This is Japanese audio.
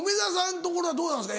ところはどうなんですか？